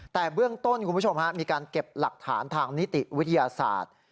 แต่เบื้องต้นคุณผู้ชมมีการเก็บหลักฐานทางนิติวิทยาศาสตร์